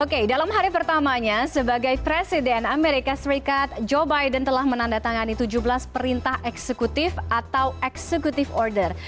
oke dalam hari pertamanya sebagai presiden amerika serikat joe biden telah menandatangani tujuh belas perintah eksekutif atau executive order